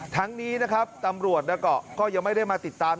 ทั้งนี้นะครับตำรวจก็ยังไม่ได้มาติดตาม